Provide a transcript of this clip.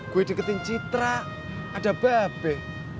gue deketin citra ada babe